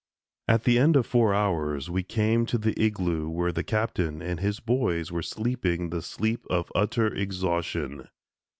At the end of four hours, we came to the igloo where the Captain and his boys were sleeping the sleep of utter exhaustion.